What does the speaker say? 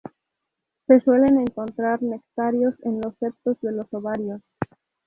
Se suelen encontrar nectarios en los septos de los ovarios.